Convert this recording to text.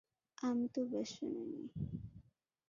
আমি তোর বেশ্যা নই।